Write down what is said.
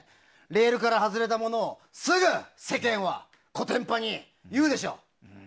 レールから外れた者をすぐ世間はコテンパンに言うでしょ。